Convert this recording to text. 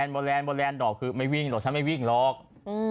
ตอนนี้แล้วด้วยเหรอครับมันสิ่งที่ผมปล่อยใส่รอบกู